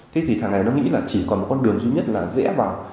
thế thì thằng này nó nghĩ là chỉ còn một con đường duy nhất là dễ vào